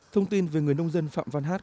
thông tin về người nông dân phạm văn hát